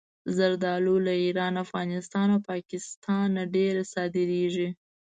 زردالو له ایران، افغانستان او پاکستانه ډېره صادرېږي.